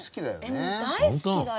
もう大好きだよ。